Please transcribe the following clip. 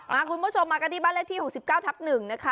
คุณผู้ชมมากันที่บ้านเลขที่๖๙ทับ๑นะคะ